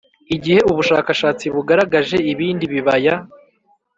Igihe ubushakashatsi bugaragaje ibindi bibaya